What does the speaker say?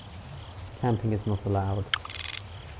Camping is not allowed.